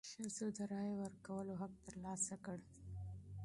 ښځو د رایې ورکولو حق تر لاسه کړ.